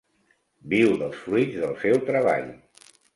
Viu dels fruits del seu treball.